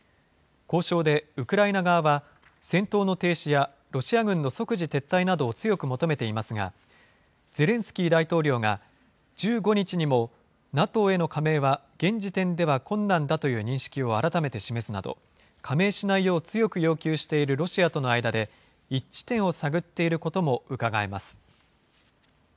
交渉でウクライナ側は、戦闘の停止や、ロシア軍の即時撤退などを強く求めていますが、ゼレンスキー大統領が、１５日にもＮＡＴＯへの加盟は、現時点では困難だという認識を改めて示すなど、加盟しないよう強く要求しているロシアとの間で、一致点を探っていることもうかがえます。